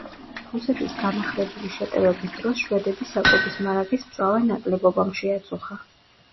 რუსეთის განახლებული შეტევების დროს შვედები საკვების მარაგის მწვავე ნაკლებობამ შეაწუხა.